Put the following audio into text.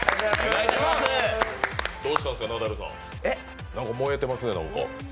どうしたんですか、ナダルさん、何か燃えてますね？